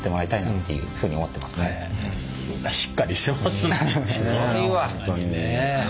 すごいわ。